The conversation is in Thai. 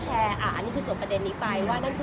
เจอก็เตรียบารเขาถูกซ้อก